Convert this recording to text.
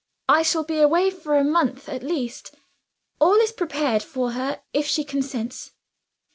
I shall be away for a month, at least. All is prepared for her if she consents."